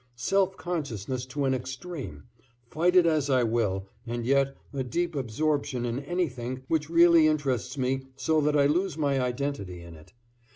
Self consciousness to an extreme, fight it as I will, and yet a deep absorption in anything which really interests me so that I lose my identity in it.